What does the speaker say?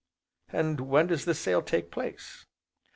"And when does the sale take place?"